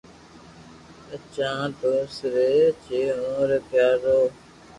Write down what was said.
سچا دوست ري جي اووہ ري پيار رو